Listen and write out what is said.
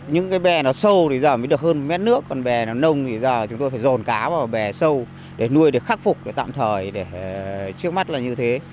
những cái bè nó sâu thì giờ mới được hơn mét nước còn bè nó nông thì bây giờ chúng tôi phải dồn cá vào bè sâu để nuôi để khắc phục tạm thời để trước mắt là như thế